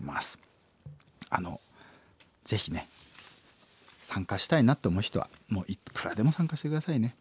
あのぜひね参加したいなと思う人はもういっくらでも参加して下さいね。